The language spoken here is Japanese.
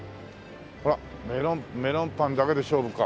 ほらメロンパンだけで勝負か。